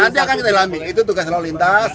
nanti akan kita alami itu tugas lalu lintas